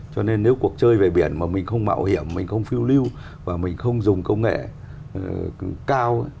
cho nên nếu cuộc chơi về biển mà mình không mạo hiểm mình không phiêu lưu và mình không dùng công nghệ cao